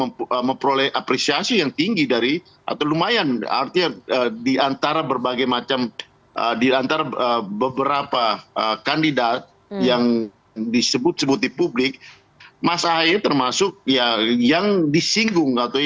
mbak puan juga memperoleh apresiasi yang tinggi dari atau lumayan di antara bebeg reb sponsored salah yang sebagai doros itu pihak yangunci